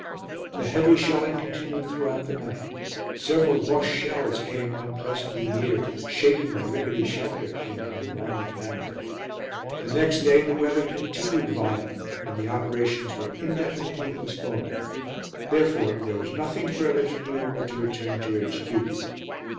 The heavy shelling continued throughout the night. Several Bosche shells came unpleasantly near, shaking my rickety shelter in an alarming manner. The next day the weather continued vile and the operations were indefinitely postponed. Therefore there was nothing further to do but to return to H.